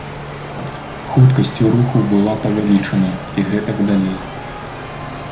Хуткасць руху была павялічана і гэтак далей.